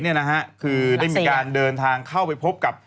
นะครับได้มีการเดินทางเข้าไปพบกับ